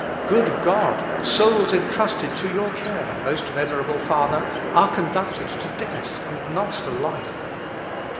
"Good God! souls entrusted to your care, most venerable Father, are conducted to death, and not to life.